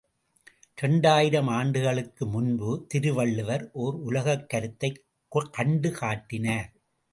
இரண்டாயிரம் ஆண்டுகளுக்கு முன்பு திருவள்ளுவர் ஓர் உலகக் கருத்தைக் கண்டு காட்டினார்.